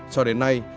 sau đến nay